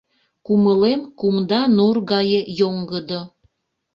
Кумылем кумда нур гае йоҥгыдо.